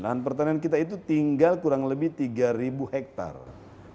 lahan pertanian kita itu tinggal kurang lebih tiga hektare